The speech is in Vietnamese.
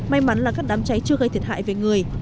may mắn là các đám cháy chưa gây thiệt hại về người